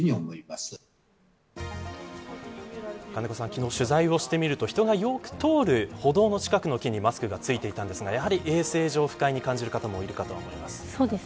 昨日、取材をしてみると人がよく通る歩道の近くの木にマスクがついていたんですがやはり衛生上、不快に感じる方もいるかと思います。